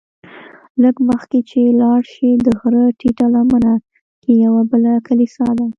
لږ مخکې چې لاړ شې د غره ټیټه لمنه کې یوه بله کلیسا ده.